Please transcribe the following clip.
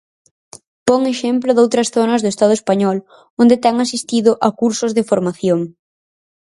Pon exemplo doutras zonas do Estado español onde ten asistido a cursos de formación.